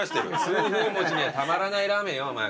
痛風持ちにはたまらないラーメンよお前これ。